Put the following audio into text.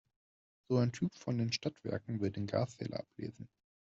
So ein Typ von den Stadtwerken will den Gaszähler ablesen.